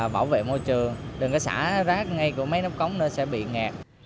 bảo vệ môi trường đừng có xả rác ngay của mấy nắp cống đó sẽ bị ngạt